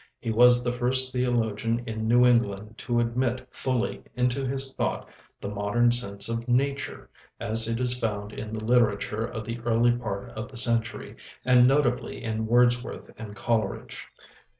He was the first theologian in New England to admit fully into his thought the modern sense of Nature, as it is found in the literature of the early part of the century, and notably in Wordsworth and Coleridge.